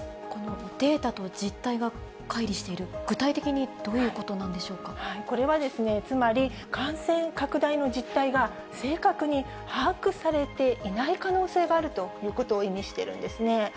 このデータと実態がかい離している、具体的にどういうことなこれはつまり、感染拡大の実態が正確に把握されていない可能性があるということを意味しているんですね。